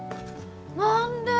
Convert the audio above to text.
何で？